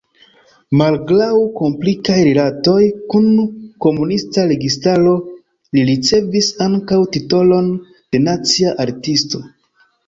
Malgraŭ komplikaj rilatoj kun komunista registaro li ricevis ankaŭ titolon de Nacia artisto.